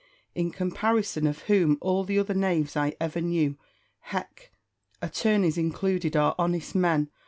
in comparison of whom all the other knaves I ever knew (hech!), attorneys included, are honest men.